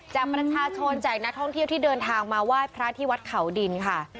ประชาชนแจกนักท่องเที่ยวที่เดินทางมาไหว้พระที่วัดเขาดินค่ะ